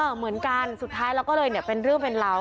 เหมือนกันสุดท้ายเราก็เลยเนี่ยเป็นเรื่องเป็นราว